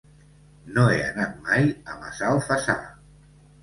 No he anat mai a Massalfassar.